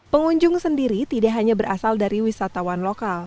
pengunjung sendiri tidak hanya berasal dari wisatawan lokal